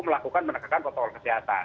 melakukan penegakan kota kesehatan